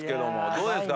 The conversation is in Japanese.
どうですか？